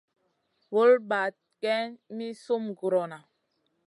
Vul bahd geyn mi sum gurona.